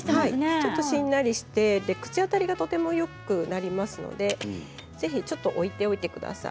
ちょっとしんなりして口当たりもよくなりますのでぜひちょっと置いておいてください。